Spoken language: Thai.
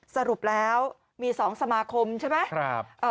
สรุปแล้วมี๒สมาคมใช่ไหม